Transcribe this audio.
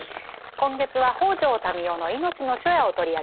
今月は北條民雄の「いのちの初夜」を取り上げています。